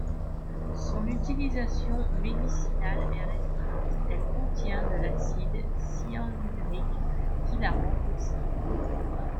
Son utilisation médicinale est restreinte, elle contient de l'acide cyanhydrique qui la rend toxique.